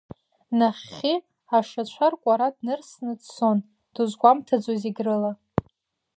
Нахьхьи ашацәа ркәара днырсны дцон, дузгәамҭаӡо зегь рыла.